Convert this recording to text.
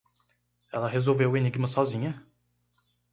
Ela resolveu o enigma sozinha?